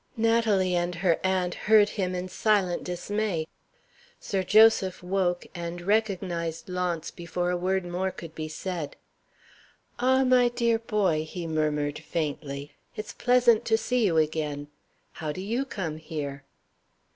Natalie and her aunt heard him in silent dismay. Sir Joseph woke, and recognized Launce before a word more could be said. "Ah, my dear boy!" he murmured, faintly. "It's pleasant to see you again. How do you come here?"